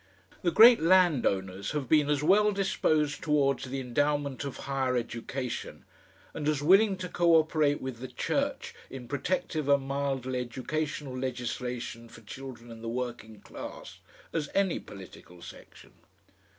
The great landowners have been as well disposed towards the endowment of higher education, and as willing to co operate with the Church in protective and mildly educational legislation for children and the working class, as any political section.